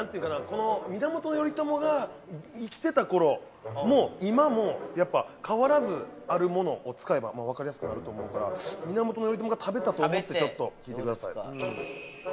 この源頼朝が生きてた頃も今もやっぱ変わらずあるものを使えばわかりやすくなると思うから源頼朝が食べたと思ってちょっと聞いてくださいどうですか？